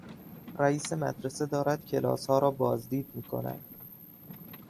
رییس مدرسه دارد کلاسها را بازدید میکند.